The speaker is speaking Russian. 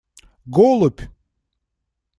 Голубь!